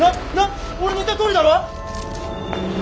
俺の言ったとおりだろ？